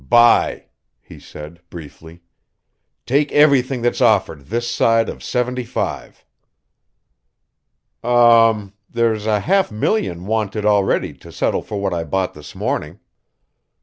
"Buy," he said briefly. "Take everything that's offered this side of seventy five." "Um there's a half million wanted already to settle for what I bought this morning."